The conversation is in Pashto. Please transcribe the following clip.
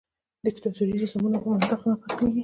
دیکتاتوري نظامونه په منطق نه بدلیږي.